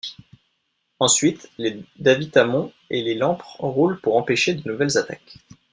Ensuite les Davitamon et les Lampre roulent pour empêcher de nouvelles attaques.